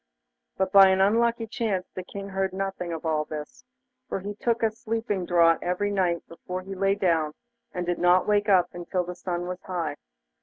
But by an unlucky chance the King heard nothing of all this, for he took a sleeping draught every night before he lay down, and did not wake up until the sun was high.